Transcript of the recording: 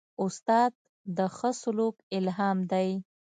استاد د ښه سلوک الهام دی.